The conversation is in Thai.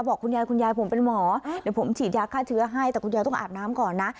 บอกคุณยายคุณยายผมเป็นหมอเดี๋ยวผมฉีดยาฆ่าเชื้อให้แต่คุณยายต้องอาบน้ำก่อนนะ